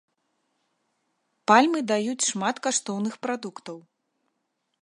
Пальмы даюць шмат каштоўных прадуктаў.